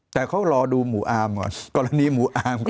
แต่เขารอดูหมู่อาร์มก่อนกรณีหมูอาร์มก่อน